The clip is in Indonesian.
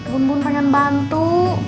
bun bun pengen bantu